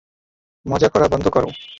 মজা করা বন্ধ করো।